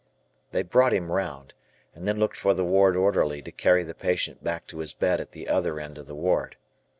They brought him round, and then looked for the ward orderly to carry the patient back to his bed at the other end of the ward.